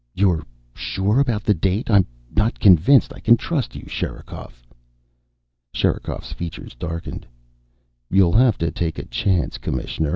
"You're sure about the date? I'm not convinced I can trust you, Sherikov." Sherikov's features darkened. "You'll have to take a chance, Commissioner.